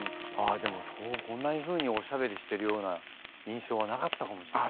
でもこんなふうにおしゃべりしてるような印象はなかったかもしれない。